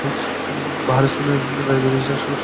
বাহারিস্তান-ই-গায়বী এর ডিজিটাল সংস্করণ